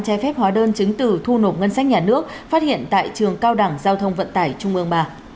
trái phép hóa đơn chứng từ thu nộp ngân sách nhà nước phát hiện tại trường cao đẳng giao thông vận tải trung ương ba